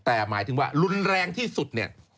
แต่หมายถึงว่ารุนแรงที่สุดเนี่ย